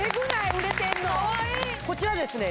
売れてんのかわいいこちらですね